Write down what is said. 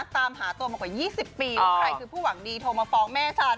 ตามหาตัวมากว่า๒๐ปีว่าใครคือผู้หวังดีโทรมาฟ้องแม่ฉัน